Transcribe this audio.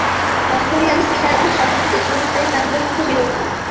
Australian sea lion সামুদ্রিক স্তন্যপায়ী প্রাণীদের মধ্যে বিরলতম।